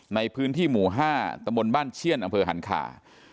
ในพื้นที่หมู่๕ตมบ้านเชี่ยนอฮันคา